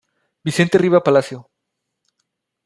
Vicente Riva Palacio.